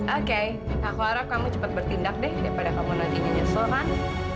oke aku harap kamu cepat bertindak deh daripada kamu nanti nyesel kan